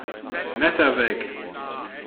Messer weg!